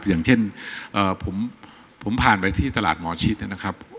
อย่างเช่นผมผ่านไปที่ตลาดหมอชิดนะครับ